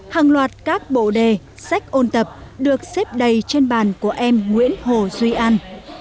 hàng loạt các bộ đề sách ôn tập được xếp đầy trên bàn của em nguyễn hồ duy an